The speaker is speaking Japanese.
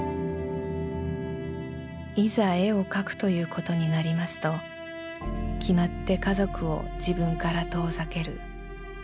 「いざ絵を描くということになりますときまって家族を自分から遠ざける。